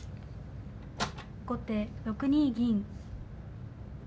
後手６二銀。